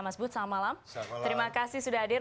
mas bud selamat malam